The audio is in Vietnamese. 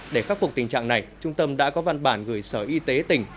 để khắc phục tình trạng này trung tâm đã có văn bản gửi sở y tế tỉnh